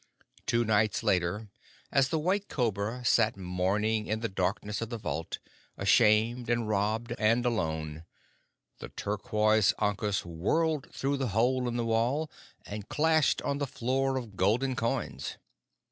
Two nights later, as the White Cobra sat mourning in the darkness of the vault, ashamed, and robbed, and alone, the turquoise ankus whirled through the hole in the wall, and clashed on the floor of golden coins.